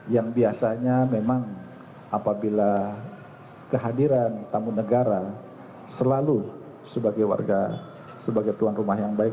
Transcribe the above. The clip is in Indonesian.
yang biasanya memang apabila kehadiran tamu negara selalu sebagai tuan rumah yang baik